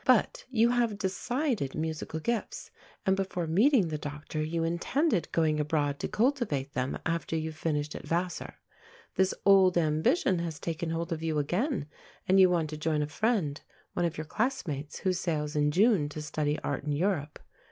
But you have decided musical gifts, and before meeting the doctor you intended going abroad to cultivate them after you finished at Vassar. This old ambition has taken hold of you again, and you want to join a friend, one of your classmates, who sails in June to study art in Europe.